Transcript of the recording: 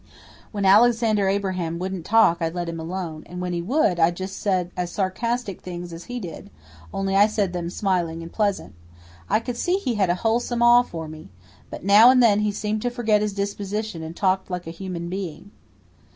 When Alexander Abraham wouldn't talk I let him alone; and when he would I just said as sarcastic things as he did, only I said them smiling and pleasant. I could see he had a wholesome awe for me. But now and then he seemed to forget his disposition and talked like a human being.